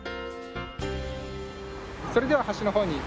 それでは橋の方に。